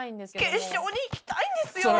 決勝に行きたいんですよ！